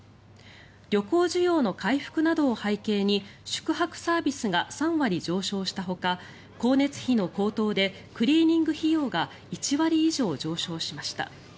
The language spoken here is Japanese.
旅行需要の回復などを背景に宿泊サービスが３割上昇したほか光熱費の高騰でクリーニング費用が１割以上上昇しました。